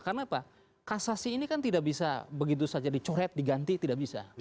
karena apa kasasi ini kan tidak bisa begitu saja dicoret diganti tidak bisa